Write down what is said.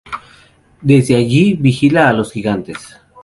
Desde allí vigila a los gigantes.